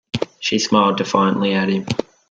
She smiled defiantly at him.